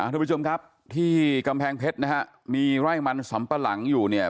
ทุกผู้ชมครับที่กำแพงเพชรนะฮะมีไร่มันสำปะหลังอยู่เนี่ย